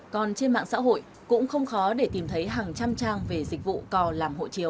còn trên mạng xã hội cũng không khó để tìm thấy hàng trăm trang về dịch vụ cò làm hộ chiếu